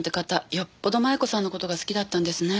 よっぽど摩耶子さんの事が好きだったんですね。